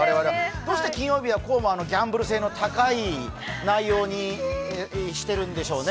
どうして金曜日はこうもギャンブル性の高い内容にしているんですかね。